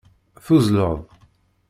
Tuzzleḍ.